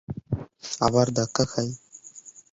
আবার ধাক্কা খাই।